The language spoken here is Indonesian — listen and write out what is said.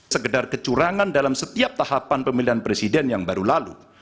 sekedar kecurangan dalam setiap tahapan pemilihan presiden yang baru lalu